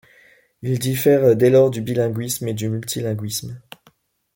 Il diffère dès lors du bilinguisme et du multilinguisme.